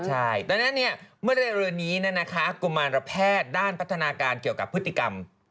ใช่แต่อันนี้เมื่อเรียนนี้นะนะคะกรุมารแพทย์ด้านพัฒนาการเกี่ยวกับพฤติกรรม